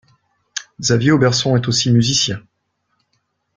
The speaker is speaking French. Xavier Oberson est aussi musicien.